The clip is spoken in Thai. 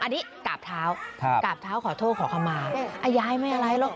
อันนี้กราบเท้าครับกราบเท้าขอโทษขอคำมายายไม่อะไรหรอก